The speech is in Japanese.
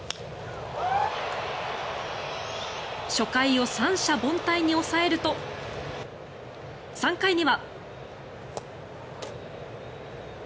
初回を３者凡退に抑えると３回には。